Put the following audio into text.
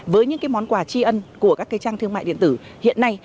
với những món quà tri ân của các trang thương mại điện tử hiện nay